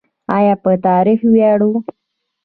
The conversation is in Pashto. آیا په تاریخ ویاړو؟